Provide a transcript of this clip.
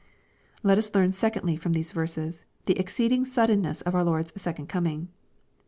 Let us learn secondly from these verses, the exceeding suddenness of our Lord's second coming.